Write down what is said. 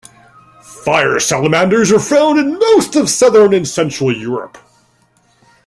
Fire Salamanders are found in most of southern and central Europe.